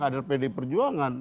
kader pdi perjuangan